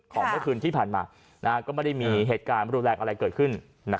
เมื่อคืนที่ผ่านมาก็ไม่ได้มีเหตุการณ์รุนแรงอะไรเกิดขึ้น